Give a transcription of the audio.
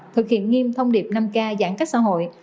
thực hiện nghiêm thông điệp năm k giãn cách xã hội